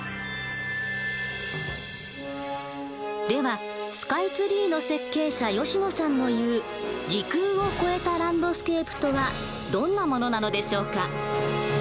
ではスカイツリーの設計者吉野さんの言う「時空を超えたランドスケープ」とはどんなものなのでしょうか？